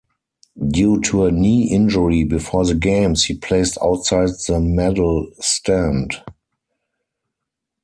Due to a knee injury before the games, he placed outside the medal stand.